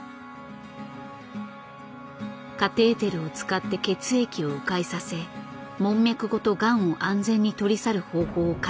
カテーテルを使って血液を迂回させ門脈ごとがんを安全に取り去る方法を開発。